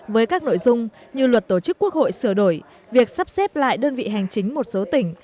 với các nội dung như luật tổ chức quốc hội sửa đổi việc sắp xếp lại đơn vị hành chính một số tỉnh